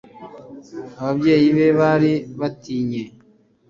ababyeyi be bari batinye